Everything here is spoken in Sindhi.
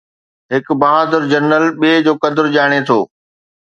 هڪ بهادر جنرل ٻئي جو قدر ڄاڻي ٿو